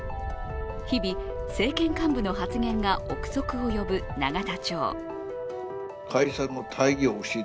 日々、政権幹部の発言が憶測を呼ぶ永田町。